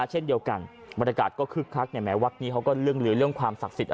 เช่นเดียวกันบรรยากาศก็คลึกคลักแหมวักษณ์นี้เขาก็เรื่องความศักดิ์สิทธิ์